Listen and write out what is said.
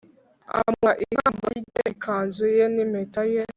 amuha ikamba rye, ikanzu ye n'impeta ye